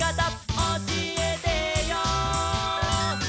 「おしえてよ」